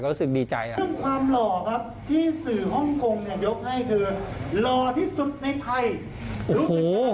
รู้สึกยังไงครับพ่อ